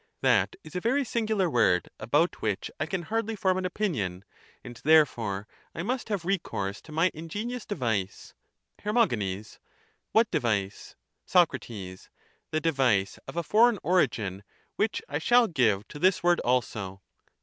That is a very singular word about which I can hardly form an opinion, and therefore I must have recourse to my ingenious device. J/er. What device? Soc. The device of a foreign origin, which I shall give to this word also.